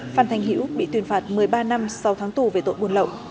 phan thành hữu bị tuyên phạt một mươi ba năm sau tháng tù về tội buôn lậu